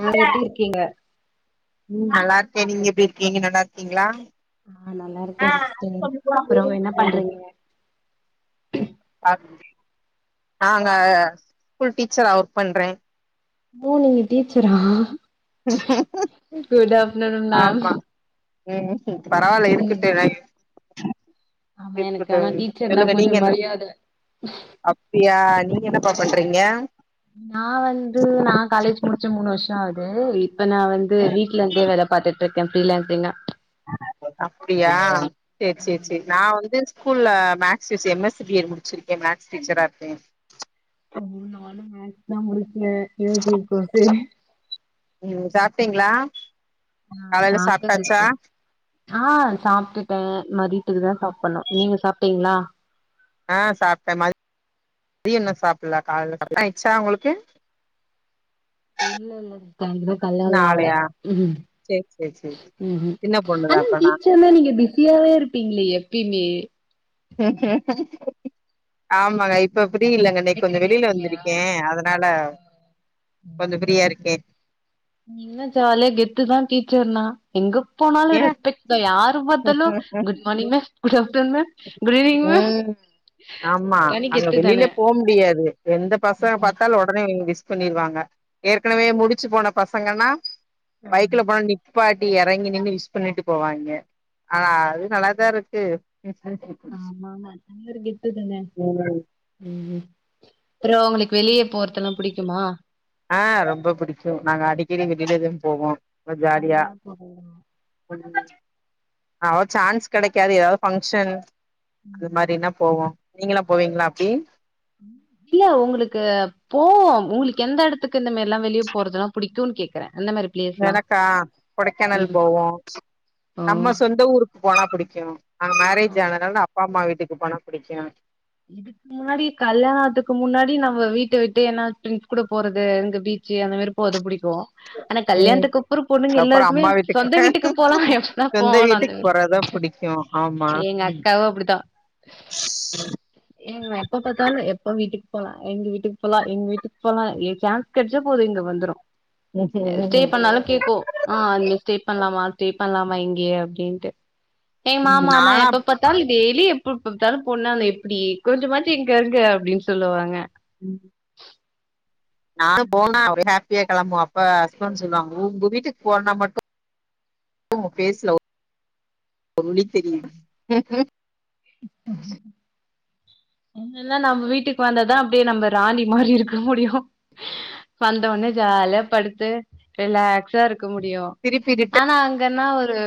ஆ எப்டி இருக்கீங்க ம் நல்லா இருக்கே நீங்க எப்டி இருக்கீங்க நல்லா இருக்கீங்ளா ஆ நல்லா இருக்கே ஆ சிஸ்டர் அப்றோ என்ன பண்றீங்க [unintelligible] [inaudible] நாங்க ஸ்கூல் டீச்சரா ஒர்க் பண்றே ஓ நீ டீச்சரா குட் ஆப்டர்நூன் மேம் ஆமா ம் பரவால்ல ம் இருக்குட்டு ஆமா இருக்கு எனக்கு ஆனா தோழி டீச்சர்னா சொல்லுங்க கொஞ்சோ நீங்க என்ன மரியாத அப்டியா நீங்க என்னப்பா பண்றீங்க நா வந்து நா காலேஜ் முடிச்சு மூணு வருஷோ ஆகுது இப்ப நா வந்து வீட்ல இருந்தே வேல பாத்தட்டு இருக்கேன் ஃப்ரீலான்ஸிங்கா அப்டியா சேரி சேரி ஆமா சேரி நா வந்து ஸ்கூல்ல மேக்ஸ் சிஸ் M S C B Ed முடிச்சிருக்கேன் மேக்ஸ் டீச்சரா இருக்கேன் ம் நானும் மேக்ஸ் தான் முடிச்சேன் யூ ஜி கோர்ஸ்ஸு ம் சாப்டீங்ளா காலையில சாப்ட்டாச்சா ஆன் சாப்ட்டுட்டேன் மதியத்துக்கு தான் சாப்டணும் நீங்க சாப்ட்டீங்ளா அன் சாப்ட்டேன் ம தியன் இன்னும் சாப்ட்ல காலல சாப்ட் ணம் ஆச்சா உங்ளுக்கு இல்ல இல்ல இன்னு கல்யாணலா ஆவ்ல ஆலையா சேரி சேரி சேரி ஹு ஹும் சின்ன பொண்ணுதா ஆனா அப்பனா டீச்சர்னா நீங்க பிஸியாவே இருப்பிங்களே எப்பயிமே உம் ஆமாங்க இப்ப அப்டி ம் இல்லங்க இன்னைக் கெடைக்கிற கொஞ்ஜோம் வெளில கேப்லயா வந்திருக்கேன் அதனால கொஞ்சோ [unintelligible] ஃப்ரீயா இருக்கே ம் நீங்களா ஜாலிய கெத்துதான் டீச்சர்னா எங்கப் போனாலு ஏ ரெஸ்பெக்ட் தான் யாரு பாத்தாலு good morning miss good afternoon ma'am good evening மே ம் ஆமா அங்க வெளிலே போ முடியாது எந்த பசங்க பாத்தாலு ஒடனே விஷ் பண்ணிருவாங்க ஏற்கனவே முடிச்சு போன பசங்கனா பைக்ல போனா நிப் பாட்டி எறங்கி நின்னு விஷ் பண்ணிட்டு போவாய்ங்க ஆனா அது நல்லாதா இருக்கு ஆமா ஆமா அது ஒரு கெத்து தானே ம் ம் ம் அப்றோ உங்களுக்கு வெளிய போறதெல்லா புடிக்குமா ஹன் ரொம்ப புடிக்கும் நாங்க அடிக்கடி வெளிலதா போவோம் ம்ப ஜாலியா எங்கலா போறதுனா அவ சான்ஸ் கெடைக்காது ஏதாவது ஃபங்க்ஷன் அது ம் மாரினா போவோம் நீங்களாம் போவீங்களா அப்டி இல்ல உங்குளுக்கு போவோம் உங்ளுக்கு எந்த எடத்துக்கு இந்த மெரில்லா வெளிய போறதுனா புடிக்குன்னு கேக்குறேன் அந்த மா எனக்கா கொடைக்கானல் போவோ ஓ நம்ம சொந்த ஊருக் போனா புடிக்கும் அங்க ஆ மேரேஜ் ஆனனால நா அப்பா அம்மா வீட்டுக்கு போனா புடிக்கும் இதுக்கு முன்னாடி கல்யாணத்துக்கு முன்னாடி நம்ப வீட்ட விட்டு என்னா ப்ரெண்ட்ஸ் கூட போறது இங்க பீச்சு அந்த மாரி போது புடிக்கும் ஆனா ம் கல்யாணத்துக்குப்புறம் பொண்ணுங்க அப்றோ எல்லாருக்மே அம்மா சொந்த வீட்டுக்கு போலாம் எப்ப தா சொந்த போவோன் அந்த வீட்டுக்கு மேர் போறதா புடிக்கு ஆமா எங்க அக்காவும் அப்டிதா ஏங் எப்ப பாத்தாலு எப்ப வீட்டுக்கு போலாம் எங்கு வீட்டுக்கு போலான் எங்கு வீட்டுக்கு போலான் ஏ சான்ஸ் கெட்ச்சா போது இங்க வந்துரு ஸ்டே ம் பண்ணாலு கேக்கும் ஆன் இங்க ஸ்டே பண்ணலாமா ஸ்டே பண்ணலாமா இங்கயே அப்டின்ட்டு என் மாமா ஆனா நானா எப்ப பா த்தாலு டெய்லி எப்பப பாத்தாலு போனா எப்டி கொஞ்சம் மாச்சி இங்க இருங்க அப்டின்னு சொல்வாங்க ம் நாங்க ம் போனா ஒரே ஹாப்பியா கிளம்புவோ அப்ப ஹஸ்பண்ட் சொல்லுவாங்க உங்க வீட்டுக்கு போறதுனா மட்டு ஓ பேசல உங்களுக்கு தெரியு ம் ம் என்னனா நம்ம வீட்டுக்கு வந்தாதா அப்டியே நம்ம ராணி மாரி இருக்க முடியு வந்த உனே ஜாலியா படுத்து ரிலாக்ஸா இருக்க முடியு திருப்பி ரிட்டன் ஆனா அங்கன்னா ஒரு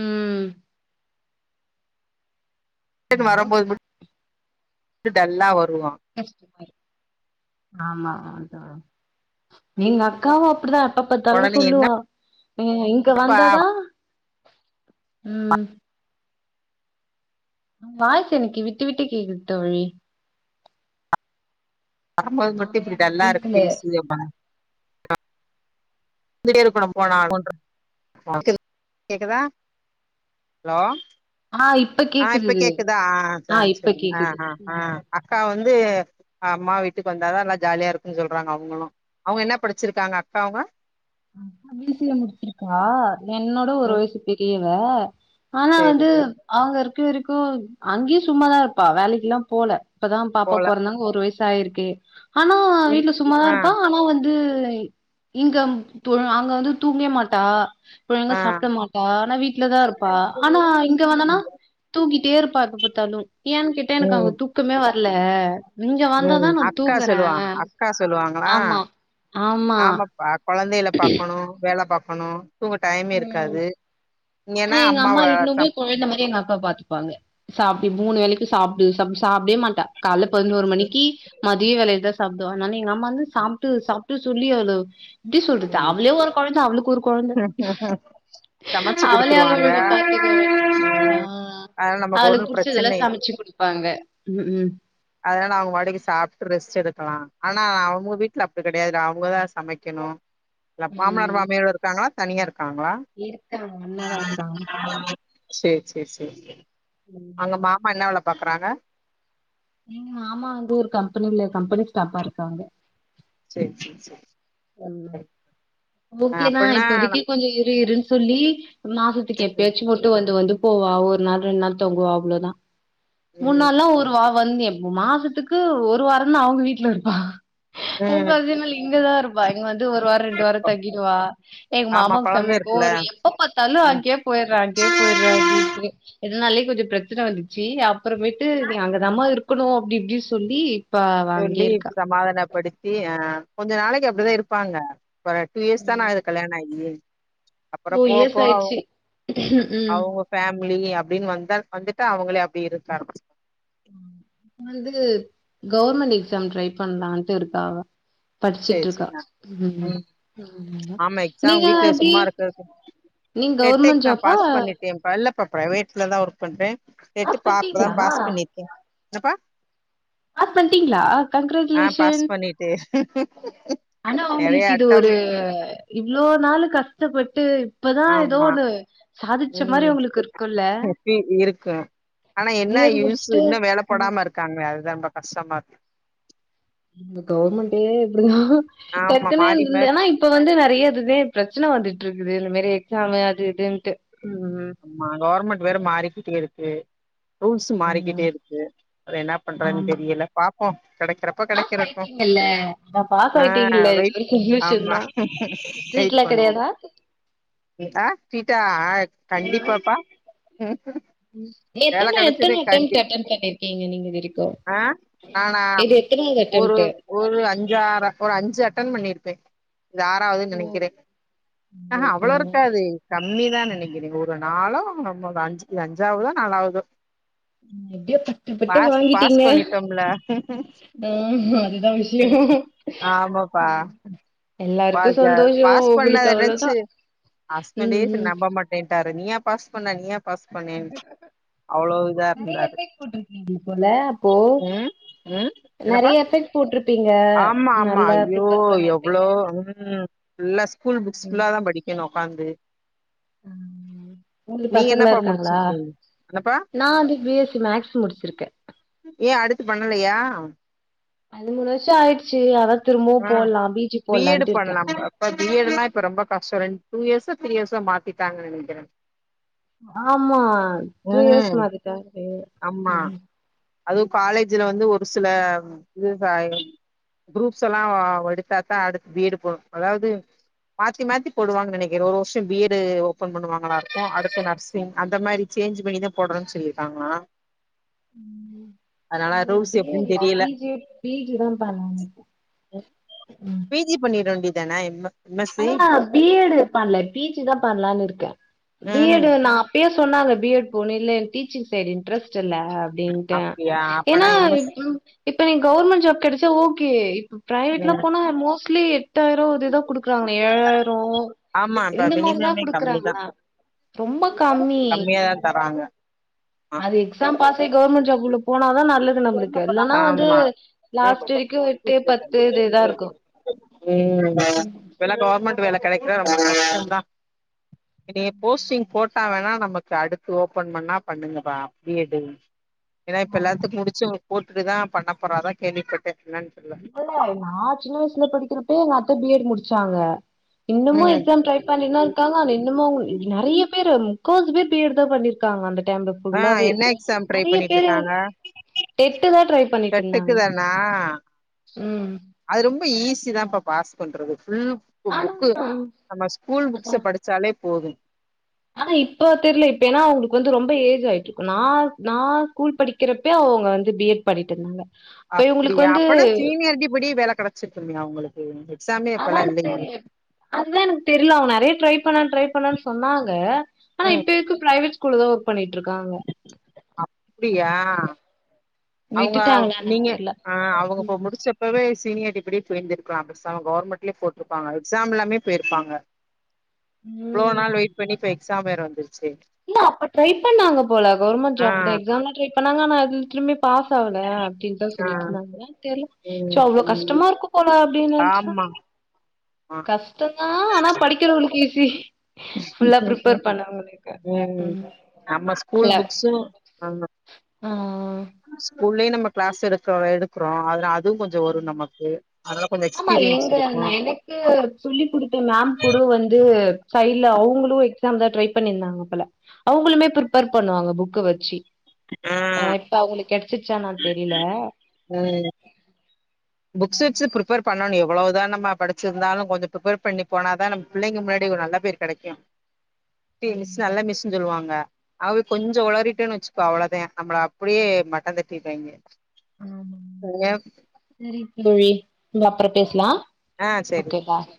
ம் ரிட்டன் ஹலோ வரும்போது மட்டு டல்லா வருவோ ஆமா அத எங்க அக்காவு அப்டிதா எப்ப பாத்தாலு ஒடனே சொல்லுவா இங்க என்னப்பா வந்தாதா ம் வாய்சு எனக்கு விட்டு விட்டு கேக்குது தோழி வரும்போது ஆ மட்டு இப்டி எனக்கு டல்லா இருக் கேக்கல பேசிரியேமா ந்துடே இருக்கு நம்ம போனாலு [inaudible] கேக்குதா ஹலோ ஆ இப் ஆ இப்ப கேக்குதா ஆ ஆ ஆ செரி ஆ கேக்குது ஆ ஆ ம் அக்கா வந்து அம்மா வீட்டுக்கு வந்தாதா நல்லா ஜாலியா இருக்குனு சொல்றாங்க அவங்களு அவுங்க என்ன படிச்சிருக்காங்க அக்காவுங்க ஆ பி சி ஏ முடிச்சிருக்கா என்னோட ஒரு ம் வய்சு பெரியவ ஆனா சேரி வந்து அவங்க இருக்க வரைக்கு அங்கயு சும்மாதா இருப்பா வேலைக்குல்லா போல இப்பதா பாப்பா போல பொறந்தாங்க ஒரு வயசு ஆயிருக்கு ஆனா இன்- வீட்ல சும்மாதா ஆ இருப்பா ஆனா வந்து இங்க அங்க வந்து தூங்வே மாட்டா ஒழுங்கா ஆ சாப்ட மாட்டா ஆனா வீட்லதா இருப்பா ஆனா இங்க வந்தானா தூங்கிட்டே இருப்பா எப்ப பாத்தாலு ஏன்னு கே எனக்கு அங்க ம் தூக்கமே வரல இங்க வந்தாதா ம் நா அக்கா தூங்கறே சொல்லுவாங்க அக்கா சொல்லுவாங்களா ஆமா ஆமா ஆமாப்பா கொழந்தைகள பாக்கணு வேல பாக்கணு தூங்க டைமே ம் இருக்காது ஆனா இங்கன்னா எங்க அம்மாவ அம்மா இன்னுமே சம் கொழந்த மாறி எங்க அக்காவ பாத்துக்கு ப்பாங்க சோ அப்டி மூணு வேலைக்கு சாப்டு சாப் சாப்டவே மாட்டா கால்ல பதினோரு மணிக்கி மதிய வேலைல தா சாப்டுவ ஆனானு எங்க அம்மா வந்து சாப்ட்டு சாப்ட்டு சொல்லி அவள எப்டி சொல்றது ம் அவ்ளே ஒரு கொழந்த அவ்ளுக்கு ஒரு கொழந்த சமைச்சு அவள குடுத்துருவாங்க அவங்கவங்க பாத்துக்க வ ஆ அதனால நமக்கு அவளுக்கு ஒன்னு புடிச்சதெல்லா பிரச்சனை சமச்சு குடுப்பாங்க ம் ம் அதனால அவங்கவாடுக்கு சாப்ட்டு ரெஸ்ட் எடுக்கலா ஆன அவுங்க வீட்ல அப்டி கெடையாதுடா அவங்கதா சமைக்கணு இல்ல மாமனார் ம் மாமியார் இருக்காங்ளா தனியா இருக்காங்ளா இருக்காங்க ஒன்னாதா இருக்காங்க செரி செரி செரி செரி அங்க மாமா என்ன வேல பாக்குறாங்க எங்க மாமா வந்து ஒரு கம்பெனில கம்பெனி ஸ்டாப்பா இருக்காங்க செரி செரி செரி ஒன்னா ஆ ஓகேதா அப்டின்னா இப்போதைக்கு கொஞ்சோ இரு இருன் சொல்லி மாசத்துக்கு ம் எப்பயாச்சு போட்டு வந்து வந்து போவா ஒரு நாள் ரெண்டு நாள் தங்குவா அவ்ளோதா மூண் ம் நாள்லா ஒரு வா வந்தேப்போ மாசத்துக்கு ஒரு வாரோதா அவுங்க வீட்ல இருப்பா உ ம் பாதி நாள் இங்கதா இருப்பா இங்க வந்து ஒரு வாரோ ரெண்டு வாரோ தக்கிடுவா எங்க ஆமா மாமாக்கு கொழந்த செம கோவொ இருக்குல்ல வரு எப்ப பத்தாலு ம் அங்கயே போயர்றா அங்கயே போயர்றா அப்டின்டு இதுனாலயே கொஞ்சோ ப்ரச்சன வந்துச்சு அப்புறமேட்டு நீ அங்கதமா இருக்கணு அப்டி இப்டி சொல்லி அவ சொல்லி அங்கேயே இருக்கா. சாமாதான படுத் ஆ கொஞ்ச நாளைக்கு அப்டிதா இருப்பாங்க ஒரு டூ இயர்ஸ்தான ஆகுது கல்யாணோ ஆகி அப்பறோ இயர்ஸ் போகப்போக ஆயிடுச்சு. ம். அவுங்க ஃபேமிலி அப்டின் வந்த வந்துட்டு அவங்களே அப்டி இருக்கா வந்து கவுர்மெண்ட் எக்ஸாம் ட்ரை பண்ணலான்டு இருக்கா அவ சேரி படிச்சுட்ருக்கா சேரி ஆ ம் ம் ஆமா எக்ஸாம் நீங்க வீட்ல எப்டி சும்மா இருக்கறக்கு நீங்க கவுர்மெண்ட் ஜாப்பா ப்ரைவேட்லதா ஒர்க் பண்றே டேட்டூ பாஸ் பா இப்பதா பண்ட்டீங்களா பாஸ் பண்ணிருக்கே என்னப்பா பாஸ் பண்ணிட்டீங்களா கங்ராஜுலேசன் தெர் ஆனா அவங்களுக்கு இது ஒரு இவ்ளோ நாள் கஷ்டப்பட்டு இப்பதா ஏதோ ஆமா ஒன்னு ம் எப்டி இருக்க ஆனா என்ன பி எட் யூஸு முடிச்சுட்டு இன்னு வேல போடாம இருக்காங்களே அதுதா ரொம்ப கஷ்டமா இருக்கு கவர்மெண்டே இப்புடிதா ஆமா டக்குனே மாறி மாறி இருந்துருதேன்னா இப் இப்ப வந்து நெறை இதுதே பிரச்சன வந்துட்டு இருக்குது இந்த மாரி எக்ஸாம் அது இதுன்ட்டு ஆமா கவர்மண்ட் வேற மாறிக்கிட்டே இருக்கு ரூல்ஸ் ம் மாறிக்கிட்டே இருக்கு அத என்ன பண்றதுன்னு ஆமா தெரியல பாப்போ கெடைக்கிறப்ப கெடைக்கிறட்டு இல்ல ஆ வெயிட் ஆமா வெயிட் ட்ரீட்லா பண்ணுவோ கெடையாதா ஆ சீட்டா ஆ ம் கண்டிப்பாப்பா வேல எத்தன கெடச்சது எத்தன கண்டி அட்டம்ட் அட்டன் பண்ணிருக்கீங்க நீங்க இதுவரைக்கு ஆ நானா இது எத்தனாவது ஒரு அட்டம்ட்டு ஒரு அஞ்சாற ஒரு அஞ்சு அட்டன் பண்ணிருப்பே இது ஆறாவதுன்னு ஓ நெனைக்கிறே ஆ ஐயோ ஹ அவ்ளோ பரவால்ல இருக்காது கம்மிதா நெனைக்கிறே ஒரு இவ நாளோ நம்ம அவ அஞ் அஞ்சாவதோ நாலாவதோ எப்டியோ கஷ்டப்பட்டு பாஸ் பாஸ் வாங்கிட்டீங்க பண்ணிட்டோம்ல ம் அதுதா விஷயோ ஆமாப்பா எல்லாருக்கு பாஸ்ஜாயிரு சந்தோஷோ பாஸ் பண்ணத உங்களுக்கு அவ்ளோதா நெனச்சு ஹஸ்பண்டே ம் சில ம் நம்ப மாட்டேன்ட்டாரு நீயா பாஸ் பண்ண நீயா பாஸ் பண்ணேனு அவ்ளோ இதா நெறைய இருந்தாரு எஃபெக்ட் போட்ருக்கீங்க போல அப்போ ம் ம் என்னப்பா நெறைய எஃபெக்ட் போட்ருப்பீங்க ஆமா ஆமா நல்லா ஐயோ ப்ரிப்பேர் எவ்ளோ பண்ணிருப்பீங்க ம் ஃபுல்லா ஸ்கூல் புக்ஸ் ஃபுல்லா தா படி க்கணு ஒக்காந்து ம் உங்ளுக்கு நீங்க பசங்களா என்னப்பா இருக்காங்களா முடிச்சிருக்கீங்க? என்னப்பா? நா வந்து பி எஸ் சி மேக்ஸ் முடிச்சுருக்கே ஏ அடுத்து பண்ணலையா அது மூணு வர்ஷோ ஆயிட்ச்சு அதா திரும்பவு போட்லா பீஜி போட்லான்ட்டு இருக்கே இப்ப பி எட் னா இப்ப ரொம்ப கஷ்டோ ரெண் டூ இயர்ஸோ த்ரீ இயர்ஸோ மாத்திட்டாங்கன்னு நெனைக்கிறே ஆமா த்ரீ இயர்ஸ் ம். மாத்திட்டாங்க [inaudible] அதுவு காலேஜ்ல வந்து ஒரு சில [unintelligible] குரூப் ஸ் எல்லா எடுத்தாக்கா அடுத்து பி எட் போ அதாவது மாத்தி மாத்தி போடுவாங்க நெனைக்கிறே ஒரு வர்ஷோ பி எட் டு ஓபன் பண்ணுவாங்கலாருக்கு அடுத்து நர்சிங் அந்த மாரி சேஞ்ச் பண்ணிதா போட்றேன்னு சொல்லிருக்காங்களா ம் இல்ல நா ரூல்ஸ் பி எட் எப்டின்னு இல்ல தெரியல பீ ஜே பீ ஜி தா பண்ணனு இப்போ பீஜி பண்ணிட வேண்டியது தானே இன்ம ஆனா பி எட் டு பண்ல பீஜி தா பண்லான்னு இருக்கே பி எட் ம் டு நா அப்பயு சொன்னாங்க பி எட் போன்னு இல்ல எனக்கு டீச்சிங் சைடு இன்ட்ரெஸ்ட் இல்ல அப்டின்ட்ட அப்டியா அப்பனா ஏன்னா எம் எஸ் இப்ப நீங்க கவுர்மெண்ட் ஜாப் கெடைச்சா ஓகே இப்ப ப்ரைவெட்லா ம் போனா மோஸ்ட்லி எட்டாயிரோ அதுதா குடுக்கிறங்லே ஏழாயிரோ ஆமா இப்ப இந்த மாரி தா மினிமமே குடுக்குறாங்களா ரொம்ப கம்மி கம்மியாத தராங்க அது எக்ஸாம் பாஸ் ஆயி கவுர்மெண்ட் ஜாப்குள்ள போனா தா நல்லது நம்ளுக்கு இல்லன்னா வந்து ஆமா லாஸ்ட்டு வரைக்கு எட்டு பத்து இதே தா இருக்கு ம் இப்பெல்லா கவுர்மெண்ட் வேல கெடைக்குற ரொம்ப கஷ்டோ தா நீ போஸ்டிங் போட்டா வேணா நமக்கு அடுத்து ஓபன் பண்ணா பண்ணுங்கபா பி எட் டு ஏன்னா இப்ப எல்லாத்துக்கு முடிச்சவங்ளுக்கு போட்டுட்டுதா பண்ண போறதா கேள்விப்பட்டே என்னனு [unintelligible] நா சின்ன வயசுல படிக்கிறப்பயே எங்க அத்த பி எட் முடிச்சாங்க இன்னமு ம் எக்ஸாம் ட்ரை பண்ணினு தா இருக்காங்க ஆனா இன்னமு நெறைய பேரு முக்காவாசி பேரு பி எட் தா பண்ணிரு க்காங்க அந்த டைம்ல ஆ ஃபுல்லாவே என்ன எக்ஸாம் ட்ரை நெறைய பண்ணிட்டு பேரு இருக்காங்க டெட்டு தா ட்ரை பண்ணிட்டுருந்தாங்க ஆ அது ரொம்ப ஈஸி தா பா பாஸ் பண்றது ஃபுல் ஆனா புக்கு நம்ம ஸ்கூல் அதா புக்ஸ்ஸ படிச்சாலே போது ஆனா இப்ப தெர்ல இப்ப ஏன்னா அவுங்களுக்கு வந்து ரொம்ப ஏஜ் ஆயிட்டுருக்கு நா நா ஸ்கூல் படிக் கிறப்பே அவுங்க வந்து பி எட் பண்ணிட்டுருந்தாங்க அப்டியா அப்பனா சீனியாரிட்டி படி வேல கிடைச்சிருக்குமே அவுங்களுக்கு எக்ஸாமே அப்பல்லா அதான் இல்லையே தெரியல அதுதா எனக்கு தெர்ல அவ நெறைய ட்ரை பண்ணா ட்ரை பண்ணானு சொன்னாங்க ஆனா ம் இப்ப எதுக்கு பிரைவேட் ஸ்கூ ஸ்கூலதா ஒர்க் பண்ணிட்டு இருக்காங்க அவுங்க விட்டுட்டாங்களா எனக்கு நீங்க தெர்ல அ அவுங்க இப்ப முடிச்ச அப்பவே சீனியார்டி படி போயிருந்துருக்கலா பேசாம கவர்மெண்ட்லயே போட்டுருப்பாங்க எக்ஸாம் இல்லாமே போயிருப்பாங்க இவ்ளோ ம் நாள் வெயிட் பண்ணி இப்ப எக்ஸாம் வேற வந்துருச்சே இல்ல அப்ப ட்ரை பண்ணாங்க போல கவுர்மெண்ட் ஆ ஜாப்க்கு தா எக்ஸாம்லா ட்ரை பண்ணாங்க ஆனா [unintelligible] பாஸ் ஆவல அப்டின்னு எதோ ஆ சொல்லிட்டு இருந்தாங்க தெர்ல சோ ம் அவ்ளோ ம் கஷ்டமாருக்கு போல அப்டின்னு நெனைச்ச ஆமா ஆ கஷ்டா தா ஆனா படிக்கிறவளுக்கு ஈசி ஃபுல்லா ப்ரிப்பேர் பண்ணவங்களுக்கு ம் நம்ம ஸ்கூல் ஃபுல்லாப் புக்ஸு ஆமா ம் ம் ஸ்கூல்லயே நம்ம க்ளாஸ் எடுக்கு எடுக்குறோ அதுல அ அது கொஞ்சோ வரு நமக்கு அனால கொஞ்சோ எக்ஸ்பிரியன்ஸ் இருக்கு க்கு சொல்லி குடுத்த மேம் கூட வந்து சைட்ல அவுங்களு எக்ஸாம் தா ட்ரை பண்ணிருந்தாங்க போல அவங்களுமே பிரிப்பர் பண்ணுவாங்க புக்க வச்சி ஹ அத இப்ப அவுங்களுக்கு கிடைச்சிச்சா என்னானு தெரில ம் புக்ஸ் வெச்சு பிரிப்பர் பண்ணணு எவ்வளோதா நம்ம படிச்சிருந்தாலு கொஞ்ச ப்ரிப்பேர் பண்ணி போனா தா நம்ம பிள்ளைங்க முன்னாடி ஒரு நல்ல பேர் கிடைக்கு டி மிஸ் நல்ல மிஸ்ன்னு சொல்லுவாங்க அது கொஞ்ச உளறிட்டேன் வச்சுக்கோ அவ்வளதா நம்மள அப்டியே மட்டந்தட்டிருவங்கே [unintelligible] சேரி தோழி நம்ம அப்புற பேசலா ஆ சேரி ஓகே பாய்